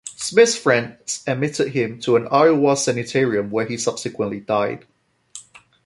Smith's friends admitted him to an Iowa sanitarium where he subsequently died.